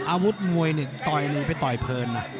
อาวุธมวยหนึ่งต่อยนี่ไปต่อยเพลินนะ